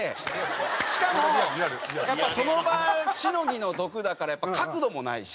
しかもその場しのぎの毒だからやっぱり角度もないし。